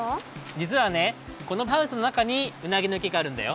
じつはねこのハウスのなかにうなぎの池があるんだよ。